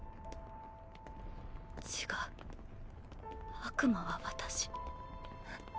違う悪魔は私。